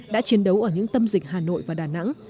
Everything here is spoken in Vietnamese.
đã chiến đấu ở những tâm dịch hà nội và đà nẵng